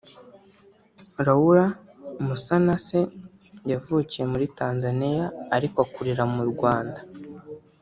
Laura Musanase yavukiye muri Tanzania ariko akurira mu Rwanda